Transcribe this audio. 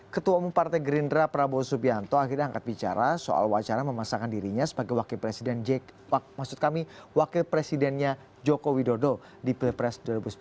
ketua umum partai gerindra prabowo subianto akhirnya angkat bicara soal wacana memasangkan dirinya sebagai wakil presidennya joko widodo di pilpres dua ribu sembilan belas